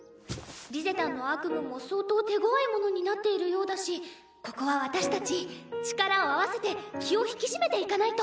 リゼたんの悪夢も相当手ごわいものになっているようだしここは私たち力を合わせて気を引き締めていかないと。